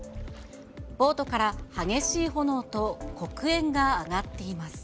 ボートから激しい炎と黒煙が上がっています。